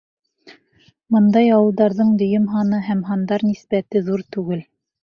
Бындай ауылдарҙың дөйөм һаны һәм һандар нисбәте ҙур түгел.